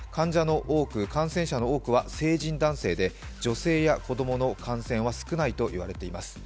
感染者の多くは成人男性で、女性や子どもの感染は少ないといわれています。